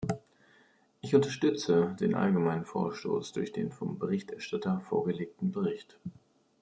Ich unterstütze den allgemeinen Vorstoß durch den vom Berichterstatter vorgelegten Bericht.